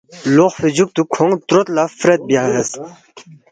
لوقفی جُوکتُو کھونگ تروت لفرت بیاس